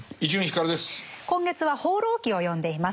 今月は「放浪記」を読んでいます。